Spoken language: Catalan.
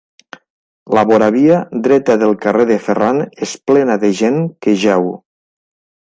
La voravia dreta del carrer de Ferran és plena de gent que jeu.